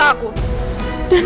dan saya mulai muak